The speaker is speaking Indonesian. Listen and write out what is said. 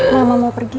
mama mau pergi